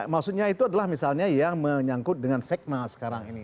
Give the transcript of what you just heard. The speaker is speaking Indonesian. maksudnya itu adalah misalnya yang menyangkut dengan sekma sekarang ini